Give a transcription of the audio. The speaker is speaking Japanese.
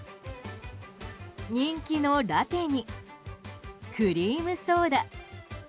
人気のラテにクリームソーダ。